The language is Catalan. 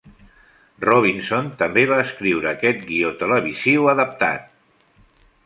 Robinson també va escriure aquest guió televisiu adaptat.